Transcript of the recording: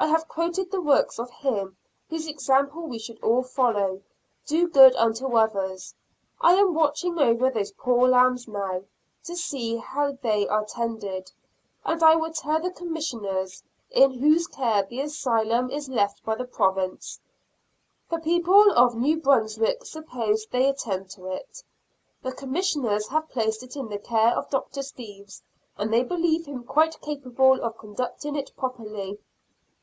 I have quoted the words of Him whose example we should all follow: "Do good unto others." I am watching over those poor lambs now, to see how they are tended, and I will tell the Commissioners in whose care the Asylum is left by the Province. The people of New Brunswick suppose they attend to it. The Commissioners have placed it in the care of Dr. Steeves, and they believe him quite capable of conducting it properly.